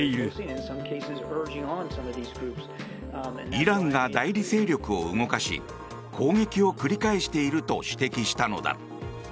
イランが代理勢力を動かし攻撃を繰り返していると指摘したのだ。